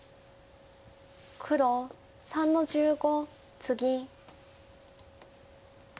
黒３の十五ツギ。